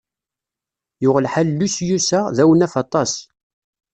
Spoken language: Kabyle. Yuɣ lḥal Lusyus-a d awnaf aṭas.